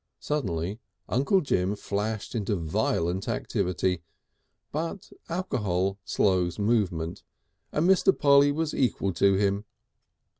Suddenly Uncle Jim flashed into violent activity, but alcohol slows movement, and Mr. Polly was equal to him.